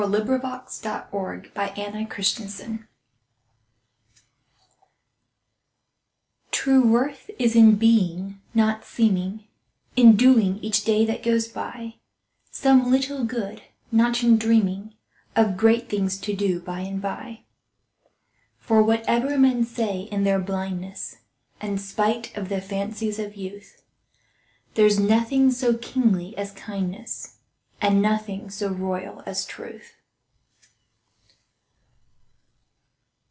Oliver Wendell Holmes. Nobility True worth is in being, not seeming,— In doing, each day that goes by, Some little good—not in dreaming Of great things to do by and by. For whatever men say in their blindness, And spite of the fancies of youth, There's nothing so kingly as kindness, And nothing so royal as truth.